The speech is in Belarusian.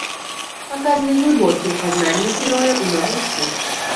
Паказаны глыбокія пазнанні героя ў навуцы.